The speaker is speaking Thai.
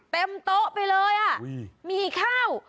เต็มโต๊ะไปเลยมีข้าว